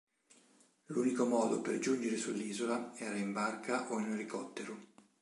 L'unico modo per giungere sull'isola era in barca o in elicottero.